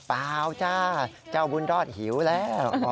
เปล่าจ้าเจ้าบุญรอดหิวแล้ว